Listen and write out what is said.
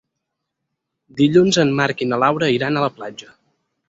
Dilluns en Marc i na Laura iran a la platja.